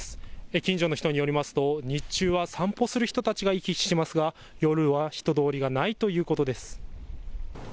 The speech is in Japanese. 近所の人によりますと日中は散歩する人たちが行き来しますが夜は人通りがないということです。